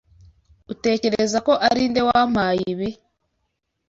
Utekereza ko ari nde wampaye ibi?